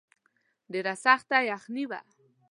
ډېره سخته یخني وه.